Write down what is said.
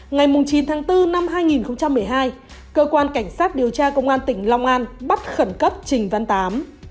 ngày chín tháng bốn năm hai nghìn một mươi hai cơ quan cảnh sát điều tra công an tỉnh long an bắt khẩn cấp trình văn tám